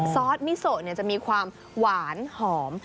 ซอสมิโซจะมีความหวานหอม